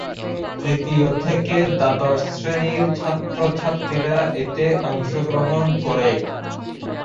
তৃতীয় থেকে দ্বাদশ শ্রেণীর ছাত্র-ছাত্রীরা এতে অংশগ্রহণ করে।